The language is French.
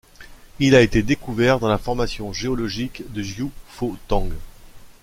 Il a été découvert dans la formation géologique de Jiufotang.